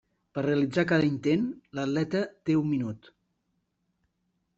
Per realitzar cada intent l'atleta té un minut.